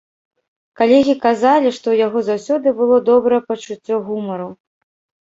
Калегі казалі, што ў яго заўсёды было добрае пачуццё гумару.